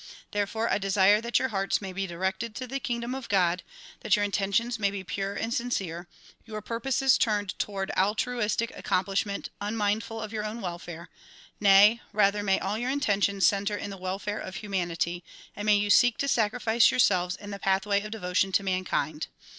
Therefore I desire that your hearts may be directed to the kingdom of God, that your intentions may be pure and sin cere, your purposes turned toward altruistic accomplishment un mindful of your own welfare ; nay, rather, may all your intentions center in the welfare of humanity and may you seek to sacrifice yourselves in the pathway of devotion to mankind.